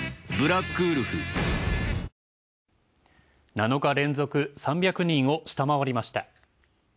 ７日連続３００人を下回りました。